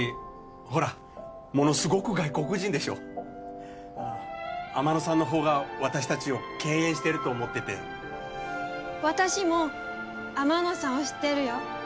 ほらものすごく外国人でしょ天野さんの方が私達を敬遠してると思ってて私も天野さんを知ってるよ